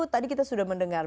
tadi kita sudah mendengar